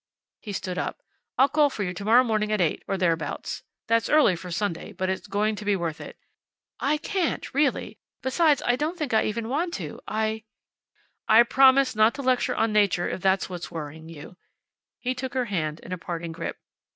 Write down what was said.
He stood up. "I'll call for you tomorrow morning at eight, or thereabouts. That's early for Sunday, but it's going to be worth it." "I can't. Really. Besides, I don't think I even want to. I " "I promise not to lecture on Nature, if that's what's worrying you." He took her hand in a parting grip.